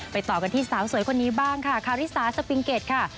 ต่อกันที่สาวสวยคนนี้บ้างค่ะคาริสาสปิงเกตค่ะ